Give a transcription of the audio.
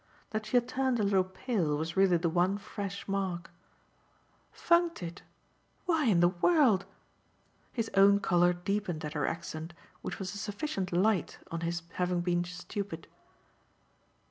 That she had turned a little pale was really the one fresh mark. "'Funked' it? Why in the world ?" His own colour deepened at her accent, which was a sufficient light on his having been stupid.